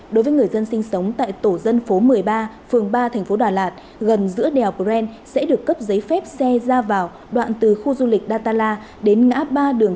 đối với người dân sinh sống tại tổ dân phố một mươi ba phường ba thành phố đà lạt gần giữa đèo bren sẽ được cấp giấy phép xe ra vào đoạn từ khu du lịch datala đến ngã ba đường